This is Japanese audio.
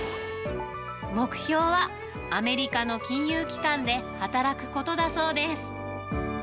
目標はアメリカの金融機関で働くことだそうです。